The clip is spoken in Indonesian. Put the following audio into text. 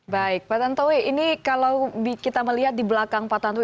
baik pak tantowi ini kalau kita melihat di belakang pak tantowi